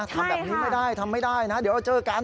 ทำเนี้ยค่ะมันไม่ได้ไม่ได้นะเดี๋ยวเราเจอกัน